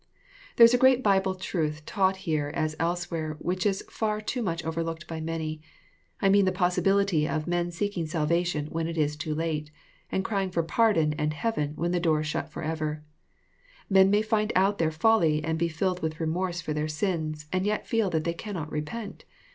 There is a great Bible truth taught here, as elsewhere, which is far too much overlooked by many, — I mean the possibility of men seeking salvation when it is too late, and crying for pardon and heaven when the door is shut forever. Men may find out their folly and be filled with remorse for their sins, and yet feel that they cannot repent.